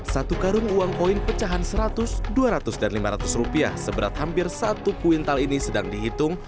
satu karung uang koin pecahan seratus dua ratus dan lima ratus rupiah seberat hampir satu kuintal ini sedang dihitung